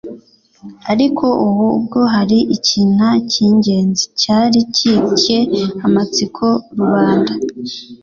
ariko ubu bwo, hari ikinta cy'ingenzi cyari gitcye amatsiko rubanda.